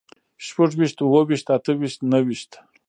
شپږ ويشت، اووه ويشت، اته ويشت، نهه ويشت